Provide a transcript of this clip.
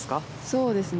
そうですね。